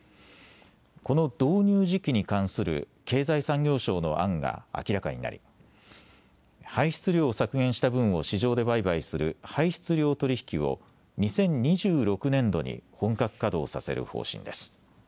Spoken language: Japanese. この導入時期に関する経済産業省の案が明らかになり排出量を削減した分を市場で売買する排出量取引を２０２６年度に本格稼働させる方針です。